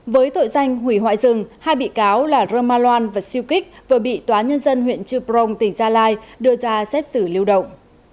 với tội danh hủy hoại rừng hai bị cáo là roma loan và siêu kích vừa bị tòa nhân dân huyện trư prong tỉnh gia lai đưa ra xét xử lưu động